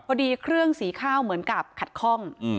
พอดีเครื่องสีข้าวเหมือนกับขัดคล่อง